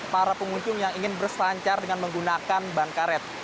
para pengunjung yang ingin berselancar dengan menggunakan ban karet